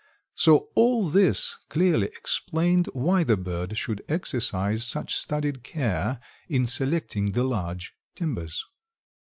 So all this clearly explained why the bird should exercise such studied care in selecting the large "timbers."